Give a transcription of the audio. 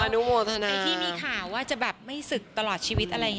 ในที่มีข่าวว่าจะแบบไม่ศึกตลอดชีวิตอะไร